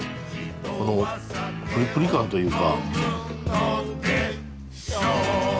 このプリプリ感というか。